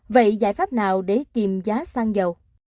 vậy giải pháp nào để kìm giá xăng dầu